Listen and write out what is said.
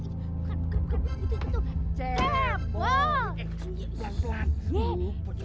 ya yang lupa